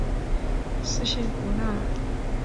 斯谢伯纳尔。